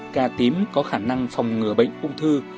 ca tím có khả năng phòng ngừa bệnh ung thư